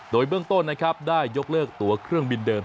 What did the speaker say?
โดยเบื้องต้นนะครับได้ยกเลิกตัวเครื่องบินเดิม